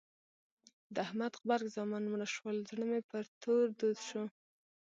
د احمد غبرګ زامن مړه شول؛ زړه مې پر تور دود شو.